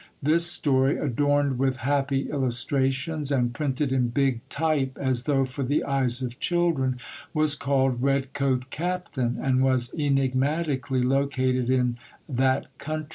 This story, adorned with happy illustrations, and printed in big type, as though for the eyes of children, was called Red Coat Captain, and was enigmatically located in "That Country."